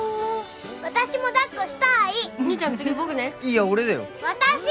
私もだっこしたい兄ちゃん次僕ねいや俺だよ私！